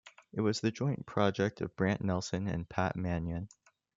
It was the joint project of Brant Nelson and Pat Mannion.